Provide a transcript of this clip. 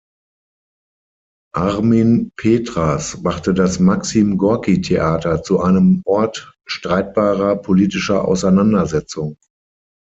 Armin Petras machte das Maxim Gorki Theater zu einem Ort streitbarer politischer Auseinandersetzung.